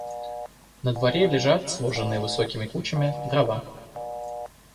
На дворе лежат, сложенные высокими кучами, дрова.